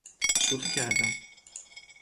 شوخی کردم